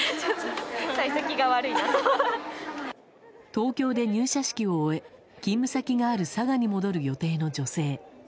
東京で入社式を終え勤務先がある佐賀に戻る予定の女性。